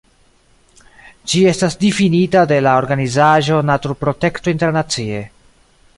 Ĝi estas difinita de la organizaĵo Naturprotekto Internacie.